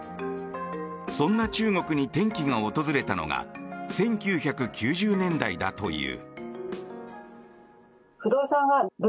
そんな中国に転機が訪れたのが１９９０年代だという。